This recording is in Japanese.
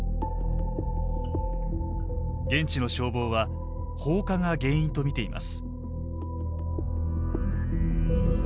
現地の消防は放火が原因と見ています。